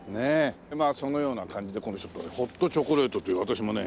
まあそのような感じでこのちょっとねホットチョコレートという私もね